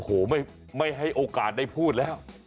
โอ้โหไม่ให้โอกาสได้พูดแล้ว